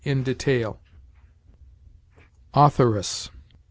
in detail. AUTHORESS.